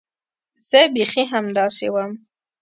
زه بيخي همداسې وم.